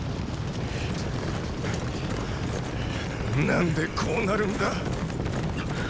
何でこうなるんだ！